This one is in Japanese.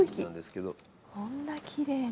こんなきれいな。